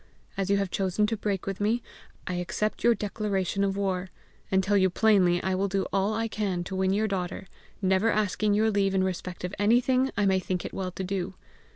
As you have chosen to break with me, I accept your declaration of war, and tell you plainly I will do all I can to win your daughter, never asking your leave in respect of anything I may think it well to do.